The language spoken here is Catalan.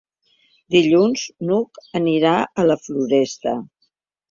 Dilluns n'Hug anirà a la Floresta.